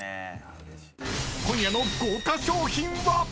［今夜の豪華賞品は⁉］